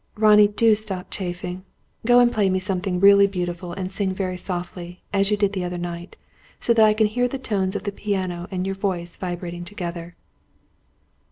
'" "Ronnie, do stop chaffing! Go and play me something really beautiful, and sing very softly, as you did the other night; so that I can hear the tones of the piano and your voice vibrating together."